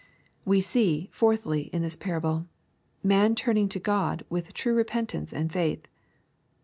We see, fourthly, in this parabk, man turning to God \ with true repentance and faith.